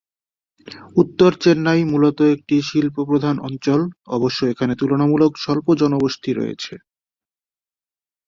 উত্তর চেন্নাই মূলত একটি শিল্প প্রধান অঞ্চল, অবশ্য এখানে তুলনামূলক স্বল্প জনবসতি রয়েছে।